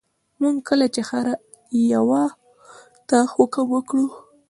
موږ کله چې هر یوه ته حکم وکړو.